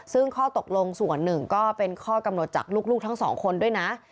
ซึ่งข้อตกลงส่วนหนึ่งก็เป็นข้อกำหนดจากลูกทั้งสองคนด้วยนะ